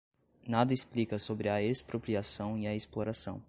nada explica sobre a expropriação e a exploração